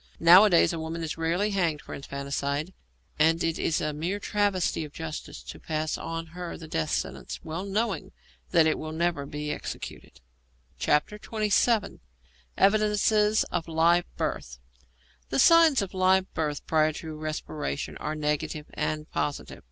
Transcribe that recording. Nowadays a woman is rarely hanged for infanticide, and it is a mere travesty of justice to pass on her the death sentence, well knowing that it will never be executed. XXVII. EVIDENCES OF LIVE BIRTH The signs of live birth prior to respiration are negative and positive.